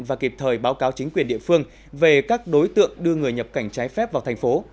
và kịp thời báo cáo chính quyền địa phương về các đối tượng đưa người nhập cảnh trái phép vào thành phố